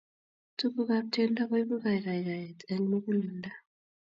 tukuk ap tiendo koibu kakaikaet eng mukuleldo